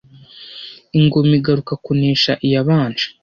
ingoma igaruka kunesha iyabanje